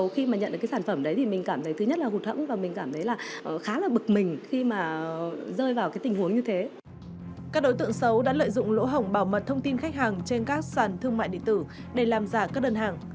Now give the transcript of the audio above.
các đối tượng xấu đã lợi dụng lỗ hỏng bảo mật thông tin khách hàng trên các sàn thương mại điện tử để làm giả các đơn hàng